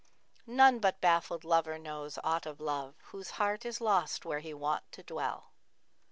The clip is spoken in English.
None but baffled lover knows aught of Love, * Whose heart is lost where he wont to dwell.'